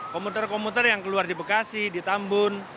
komuter komuter yang keluar di bekasi di tambun